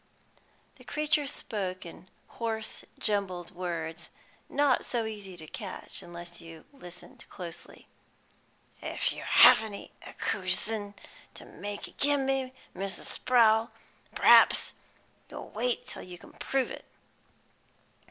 The creature spoke, in hoarse, jumbled words, not easy to catch unless you listened closely. "If you've any accusion to make agin me, Mrs. Sprowl, p'r'aps you'll wait till you can prove it.